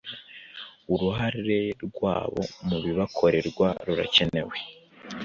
uruhare rwabo mu bibakorerwa rurakenewe